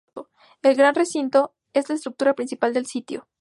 El "Gran Recinto" es la estructura principal del sitio.